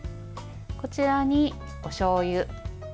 こちらに、おしょうゆ